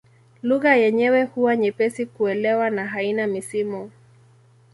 Lugha yenyewe huwa nyepesi kuelewa na haina misimu.